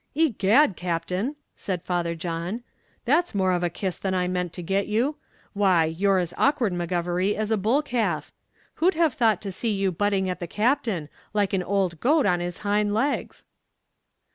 "Egad, Captain," said Father John, "that's more of a kiss than I meant to get you; why, you're as awkward, McGovery, as a bullcalf. Who'd have thought to see you butting at the Captain, like an old goat on his hind legs!"